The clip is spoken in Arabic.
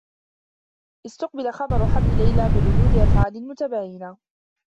استُقبل خبر حمل ليلى بردود أفعال متباينة.